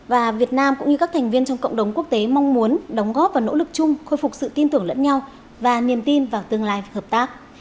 và việt nam cũng như các thành viên trong cộng đồng quốc tế mong muốn đóng góp và nỗ lực chung khôi phục sự tin tưởng lẫn nhau và niềm tin vào tương lai và hợp tác